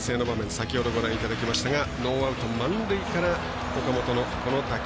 先ほどご覧いただきましたがノーアウト、満塁から岡本のこの打球。